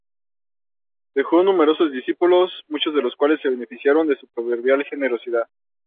Dejó numerosos discípulos, muchos de los cuales se beneficiaron de su proverbial generosidad.